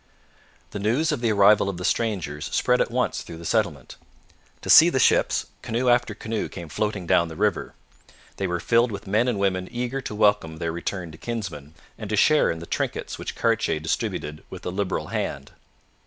The news of the arrival of the strangers spread at once through the settlement. To see the ships, canoe after canoe came floating down the river. They were filled with men and women eager to welcome their returned kinsmen and to share in the trinkets which Cartier distributed with a liberal hand.